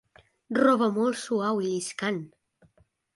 Roba molt suau i lliscant.